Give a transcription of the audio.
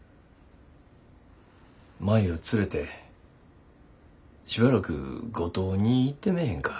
舞を連れてしばらく五島に行ってめぇへんか？